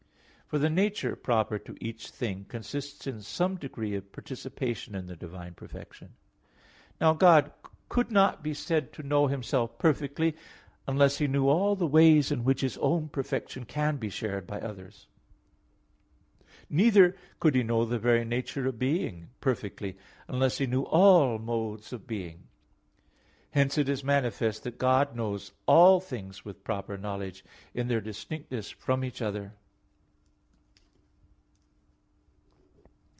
For the nature proper to each thing consists in some degree of participation in the divine perfection. Now God could not be said to know Himself perfectly unless He knew all the ways in which His own perfection can be shared by others. Neither could He know the very nature of being perfectly, unless He knew all modes of being. Hence it is manifest that God knows all things with proper knowledge, in their distinction from each other.